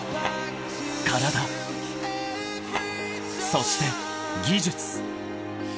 ［そして技術］